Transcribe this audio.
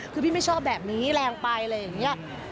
คือพี่ไม่ชอบแบบนี้แรงไปอะไรอย่างนี้